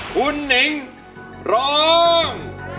คุณหนิงร้อง